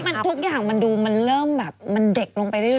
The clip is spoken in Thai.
มันทุกอย่างมันดูมันเริ่มแบบมันเด็กลงไปเรื่อ